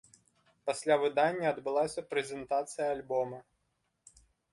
Пасля выдання адбылася прэзентацыя альбома.